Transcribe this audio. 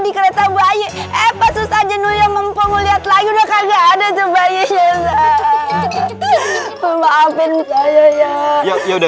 di kereta bayi eh pak susah jenuh yang mempengaruhi atlayu udah kagak ada tuh bayinya maafin saya ya